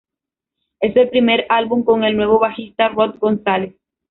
Es el primer álbum con el nuevo bajista Rod González.